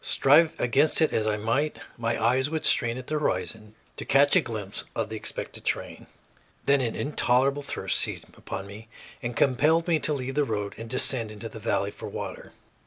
Strive against it as I might, my eyes would strain at the horizon to catch a glimpse of the expected train. Then an intolerable thirst seized upon me and compelled me to leave the road and descend into the valley for water.